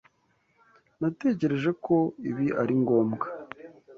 Natekereje ko ibi ari ngombwa.